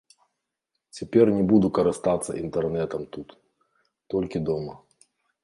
Цяпер не буду карыстацца інтэрнэтам тут, толькі дома.